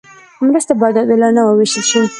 مرستې باید عادلانه وویشل شي.